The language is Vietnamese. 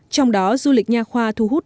trong đó du lịch nhà khoa thu hút